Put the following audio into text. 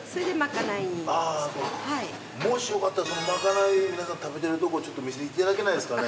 あぁそうですかもしよかったらそのまかない皆さん食べてるとこちょっと見せていただけないですかね？